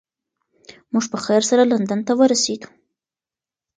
موږ په خیر سره لندن ته ورسیدو.